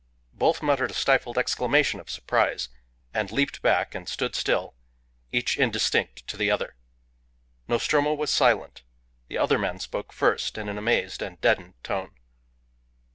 Both muttered a stifled exclamation of surprise, and leaped back and stood still, each indistinct to the other. Nostromo was silent. The other man spoke first, in an amazed and deadened tone.